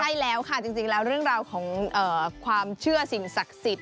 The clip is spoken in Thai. ใช่แล้วค่ะจริงแล้วเรื่องราวของความเชื่อสิ่งศักดิ์สิทธิ